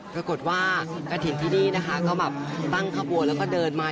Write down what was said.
ปรากฏว่ากระถิ่นที่นี่นะคะก็แบบตั้งขบวนแล้วก็เดินมา